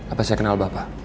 apa saya kenal bapak